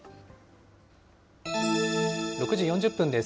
６時４０分です。